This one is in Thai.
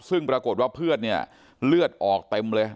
ซึ่งปรากฏว่าเพื่อนเนี่ยเลือดออกเต็มเลย